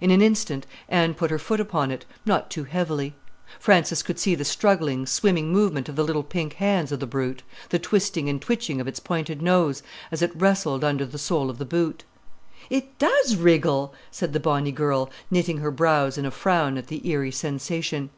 In an instant Anne put her foot upon it, not too heavily. Frances could see the struggling, swimming movement of the little pink hands of the brute, the twisting and twitching of its pointed nose, as it wrestled under the sole of the boot. "It does wriggle!" said the bonny girl, knitting her brows in a frown at the eerie sensation.